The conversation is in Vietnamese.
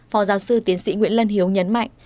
phó giáo sư tiến sĩ nguyễn lân hiếu nhấn mạnh